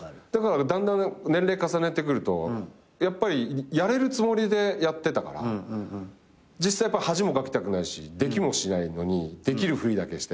だんだん年齢重ねてくるとやっぱりやれるつもりでやってたから実際やっぱ恥もかきたくないしできもしないのにできるふりだけして。